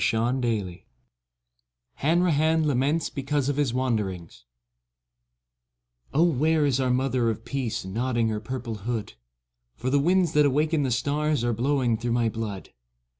* 50 HANRAHAN LAMENTS BECAUSE OF HIS WANDERINGS WHERE is our Mother of Peace Nodding her purple hood? For the winds that awakened the stars Are blowing through my blood.